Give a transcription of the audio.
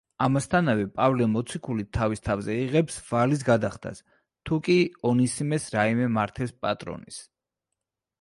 ამასთანავე, პავლე მოციქული თავის თავზე იღებს ვალის გადახდას, თუ კი ონისიმეს რაიმე მართებს პატრონის.